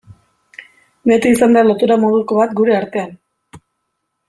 Beti izan da lotura moduko bat gure artean.